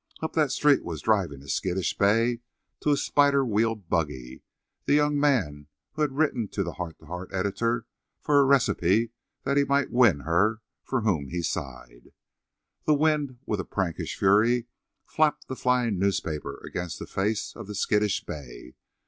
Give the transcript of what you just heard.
Up that street was driving a skittish bay to a spider wheel buggy, the young man who had written to the heart to heart editor for a recipe that he might win her for whom he sighed. The wind, with a prankish flurry, flapped the flying newspaper against the face of the skittish bay.